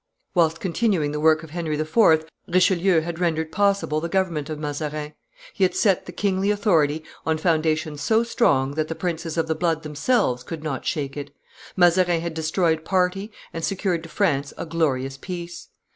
Whilst continuing the work of Henry IV. Richelieu had rendered possible the government of Mazarin; he had set the kingly authority on foundations so strong that the princes of the blood themselves could not shake it. Mazarin had destroyed party and secured to France a glorious peace.